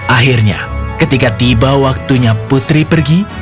akhirnya ketika tiba waktunya putri pergi